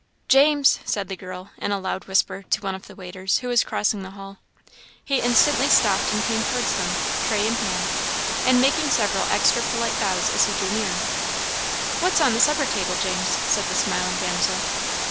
"James!" said the girl, in a loud whisper to one of the waiters, who was crossing the hall. He instantly stopped and came towards them, tray in hand, and making several extra polite bows as he drew near. "What's on the supper table, James?" said the smiling damsel.